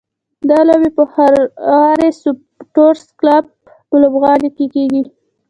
دا لوبې به د هراري سپورټس کلب په لوبغالي کې کېږي.